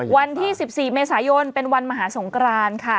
วันที่๑๔เมษายนเป็นวันมหาสงครานค่ะ